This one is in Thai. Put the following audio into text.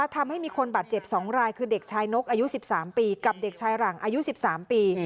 ทำให้มีคนบาดเจ็บ๒รายคือเด็กชายนกอายุ๑๓ปีกับเด็กชายหลังอายุ๑๓ปี